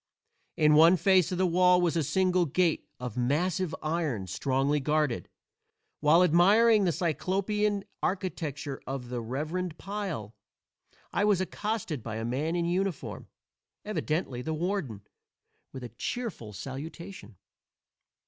In one face of the wall was a single gate of massive iron, strongly guarded. While admiring the Cyclopean architecture of the "reverend pile" I was accosted by a man in uniform, evidently the warden, with a cheerful salutation.